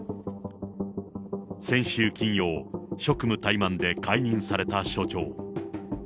先週金曜、職務怠慢で解任された署長。